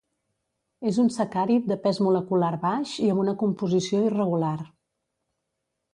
És un sacàrid de pes molecular baix i amb una composició irregular.